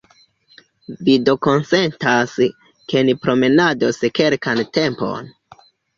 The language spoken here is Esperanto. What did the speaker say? Vi do konsentas, ke ni promenados kelkan tempon?